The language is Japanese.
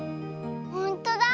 ほんとだ。